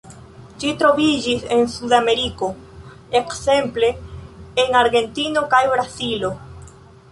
Ĝi troviĝis en Suda Ameriko, ekzemple en Argentino kaj Brazilo.